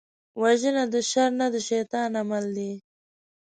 وژنه د شر نه، د شيطان عمل دی